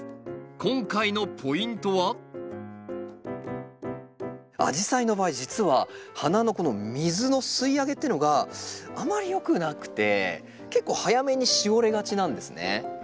今回のポイントはアジサイの場合実は花のこの水の吸い上げってのがあまりよくなくて結構早めにしおれがちなんですね。